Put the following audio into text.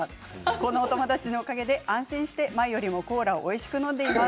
この友達のおかげで安心して前よりもコーラをおいしく飲んでいます。